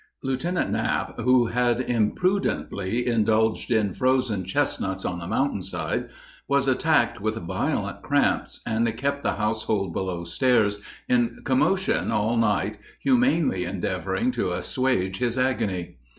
Lieutenant Knapp, who had imprudently indulged in frozen chestnuts on the mountain side, was attacked with violent cramps, and kept the household below stairs in commotion all night humanely endeavoring to assuage his agony.